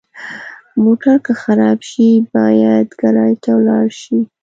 موټر که خراب شي، باید ګراج ته ولاړ شي.